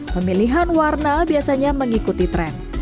pemilihan warna biasanya mengikuti tren